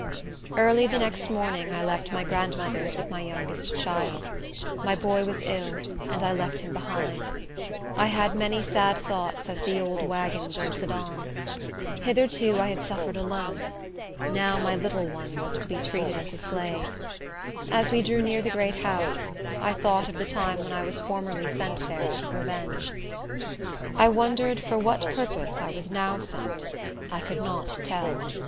Early the next morning I left my grandmother's with my youngest child. My boy was ill, and I left him behind. I had many sad thoughts as the old wagon jolted on. Hitherto, I had suffered alone; now, my little one was to be treated as a slave. As we drew near the great house, I thought of the time when I was formerly sent there out of revenge. I wondered for what purpose I was now sent. I could not tell.